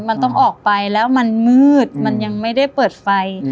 มันต้องออกไปแล้วมันมืดมันยังไม่ได้เปิดไฟ